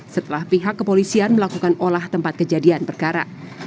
setelah pihak kepolisian melakukan olah tempat kejadian perkara